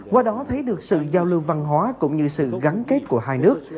qua đó thấy được sự giao lưu văn hóa cũng như sự gắn kết của hai nước